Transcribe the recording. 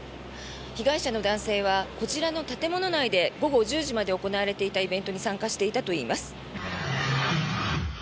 被害者の男性はこちらの建物内で午後１０時まで行われていたイベントに参加していたといいます。